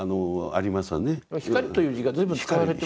「光」という字が随分使われて。